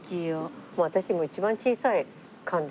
私もう一番小さい缶で。